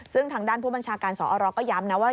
ซึ่งทางด้านผู้บัญชาการสอรก็ย้ำนะว่า